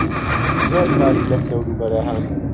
زۆر پارک لەم دەوروبەرە هەن.